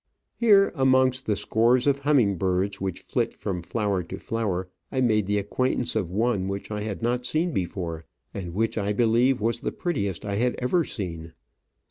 Here, amongst the scores of humming birds which flit from flower to flower, I made the acquaintance of one which I had not seen before, and which, I believe, was the prettiest I had ever seen.